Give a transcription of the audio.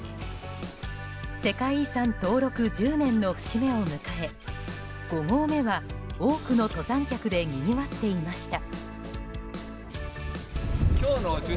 世界遺産登録１０年の節目を迎え５合目は多くの登山客でにぎわっていました。